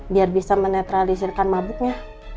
biar bisa menetralisirkan mabuknya